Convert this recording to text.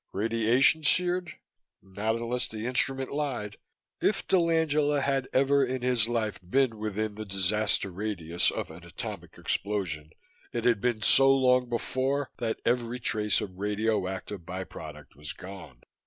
Radiation seared? Not unless the instrument lied! If dell'Angela had ever in his life been within the disaster radius of an atomic explosion, it had been so long before that every trace of radioactive byproduct was gone!